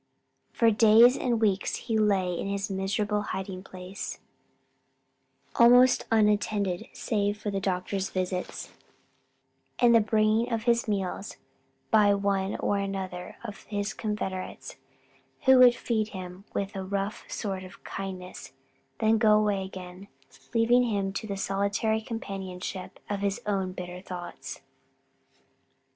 For days and weeks he lay in his miserable hiding place, almost untended save for the doctor's visits, and the bringing of his meals by one or another of his confederates, who would feed him with a rough sort of kindness, then go away again, leaving him to the solitary companionship of his own bitter thoughts.